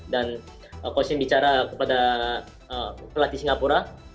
coach shin bicara kepada pelatih singapura